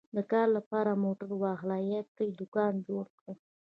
د کار لپاره موټر واخلم یا پرې دوکان جوړ کړم